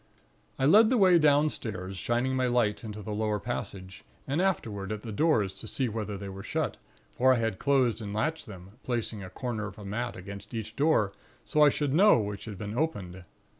"I led the way downstairs, shining my light into the lower passage, and afterward at the doors to see whether they were shut; for I had closed and latched them, placing a corner of a mat against each door, so I should know which had been opened.